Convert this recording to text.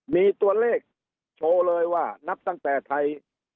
มีตัวเลขโชว์เลยว่านับตั้งแต่ไทย